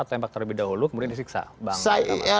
atau tembak terlebih dahulu kemudian disiksa